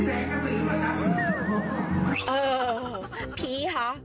เออพี่ฮะ